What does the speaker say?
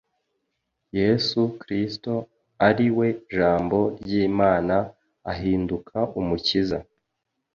yesu kristo ari we jambo ry’imana ahinduka umukiza